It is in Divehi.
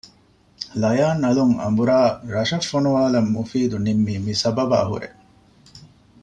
ލަޔާން އަލުން އަނބުރާ ރަށަށް ފޮނުވާލަން މުފީދު ނިންމީ މި ސަބަބާހުރޭ